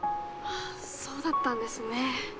そうだったんですね。